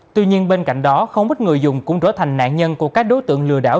tuy nhiên bên cạnh đó không ít người dùng cũng trở thành nạn nhân của các đối tượng lừa đảo